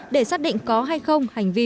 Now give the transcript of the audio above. để xác định có hay không hành vi